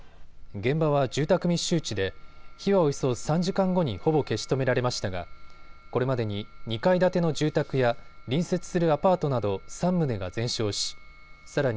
現場は住宅密集地で火はおよそ３時間後にほぼ消し止められましたがこれまでに２階建ての住宅や隣接するアパートなど３棟が全焼しさらに